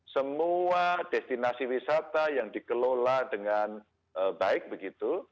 semua destinasi wisata yang dikelola dengan baik begitu